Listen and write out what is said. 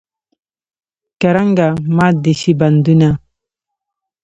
کرنګه مات دې شي بندونه.